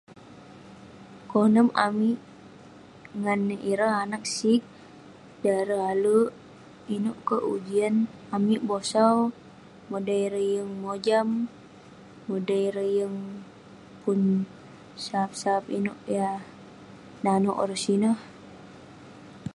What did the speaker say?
Konep amik ngan ireh anag sik, dan ireh alek inouk kerk ujian..amik bosau, medey ireh yeng mojam, medey ireh yeng pun sap sap inouk yah nanouk ireh sineh..